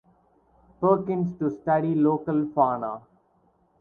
Perkins to study local fauna.